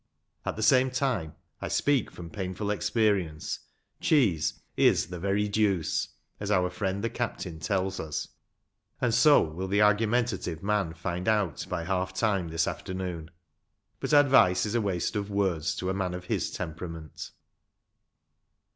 At the same time‚ÄĒ I speak from painful experience ‚ÄĒ cheese " is the very deuce," as our friend the captain tells us, and so will the argumentative man find out by half time this afternoon ; but advice is a waste of words to a man of his temperament.